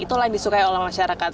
itulah yang disukai oleh masyarakat